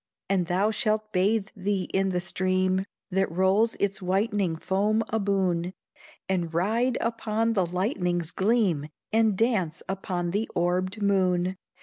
And thou shalt bathe thee in the stream That rolls its whitening foam aboon, And ride upon the lightning's gleam, And dance upon the orbed moon!